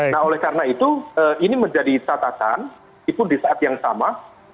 nah oleh karena itu ini menjadi catatan itu di saat yang sama